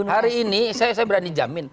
hari ini saya berani jamin